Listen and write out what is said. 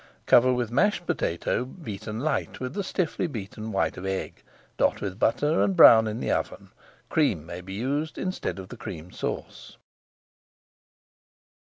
Cover with mashed potato, beaten light with the stiffly beaten white of egg, dot with butter, and brown in the oven. Cream may be used instead of the Cream Sauce.